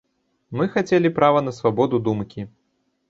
Мы хацелі права на свабоду думкі.